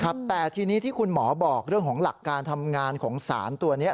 ครับแต่ทีนี้ที่คุณหมอบอกเรื่องของหลักการทำงานของสารตัวนี้